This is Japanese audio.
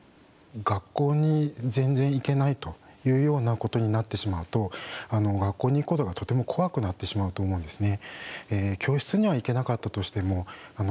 学校に全然行けないというようなことになってしまうと学校に行くことがとても怖くなってしまうと思うんですね。